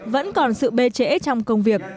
vẫn còn sự bê trễ trong công việc